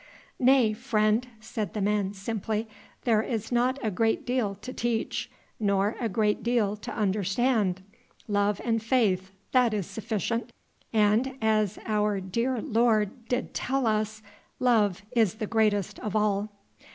"Nay, friend," said the man simply, "there is not a great deal to teach, nor a great deal to understand. Love and faith, that is sufficient ... and, as our dear Lord did tell us, love is the greatest of all."